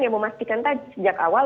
yang memastikan sejak awal